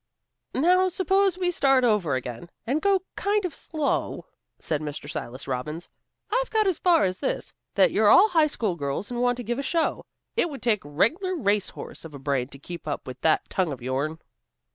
"Now, suppose we start over again, and go kind of slow," said Mr. Silas Robbins. "I've got as far as this, that you're all high school girls and want to give a show. It would take a reg'lar racehorse of a brain to keep up with that tongue of yourn."